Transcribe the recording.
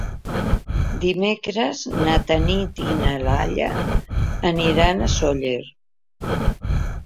Dimecres na Tanit i na Laia aniran a Sóller.